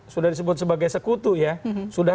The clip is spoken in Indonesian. sudah disebut sebagai sekutu ya sudah